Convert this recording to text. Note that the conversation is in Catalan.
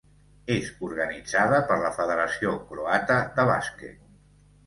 És organitzada per la Federació croata de bàsquet.